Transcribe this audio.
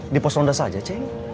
di pos ronda saja c